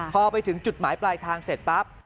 พอไปถึงจุดหมายปลายทางเสร็จปั๊บ